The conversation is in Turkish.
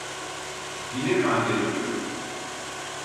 Yine mi annen arıyor?